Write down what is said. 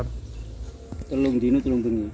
di telung dino di telung tunggi